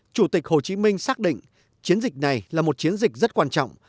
chủ tịch hồ chí minh xác định chiến dịch này là một chiến dịch rất quan trọng